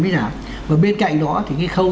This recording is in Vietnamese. mới giảm và bên cạnh đó thì cái khâu